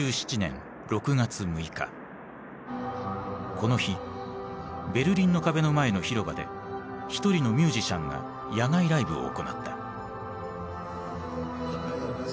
この日ベルリンの壁の前の広場で一人のミュージシャンが野外ライブを行った。